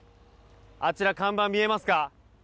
あちら、看板見えますか。